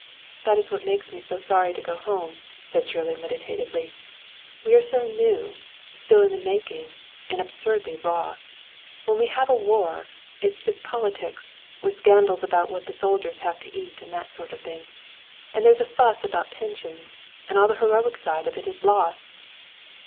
"That is what makes me sorry to go home," said Shirley meditatively. "We are so new still in the making, and absurdly raw. When we have a war, it is just politics, with scandals about what the soldiers have to eat, and that sort of thing; and there's a fuss about pensions, and the heroic side of it is lost."